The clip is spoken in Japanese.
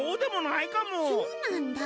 そうなんだ。